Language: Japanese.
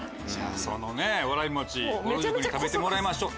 そのわらび餅ぼる塾に食べてもらいましょう。